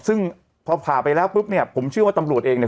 ซึ่งพอผ่าไปแล้วปุ๊บเนี่ยผมเชื่อว่าตำรวจเองเนี่ย